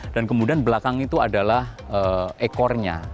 dan kemudian belakang itu adalah ekornya